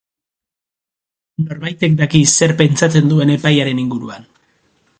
Norbaitek daki zer pentsatzen duen epaiaren inguruan?